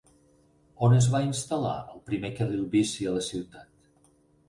On es va instal·lar el primer carril bici a la ciutat?